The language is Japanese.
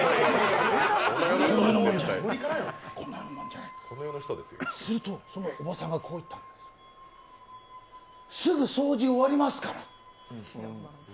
この世のものじゃない、この世のものじゃないするとそのおばさんがこう言った、すぐ掃除終わりますから。